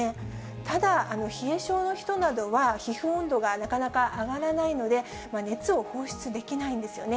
ただ、冷え性の人などは皮膚温度がなかなか上がらないので、熱を放出できないんですよね。